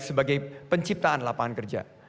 sebagai penciptaan lapangan kerja